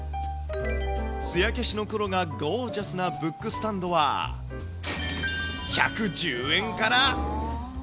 つや消しの黒がゴージャスなブックスタンドは１１０円から。